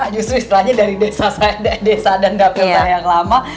justru istilahnya dari desa dan dapil yang lama